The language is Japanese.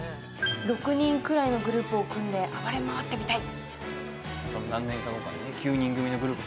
６人ぐらいのグループを組んで暴れ回ってみたい。